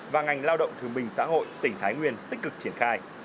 và ngành lao động thường bình xã hội tỉnh thái nguyên tích cực triển khai